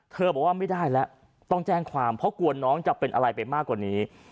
บอกว่าไม่ได้แล้วต้องแจ้งความเพราะกลัวน้องจะเป็นอะไรไปมากกว่านี้